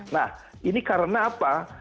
nah ini karena apa